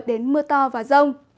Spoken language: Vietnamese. đến mưa to và rông